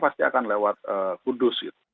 pasti akan lewat kudus